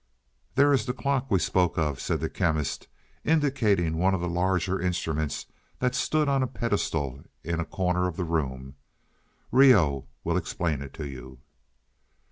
"There is the clock we spoke of," said the Chemist, indicating one of the larger instruments that stood on a pedestal in a corner of the room. "Reoh will explain it to you."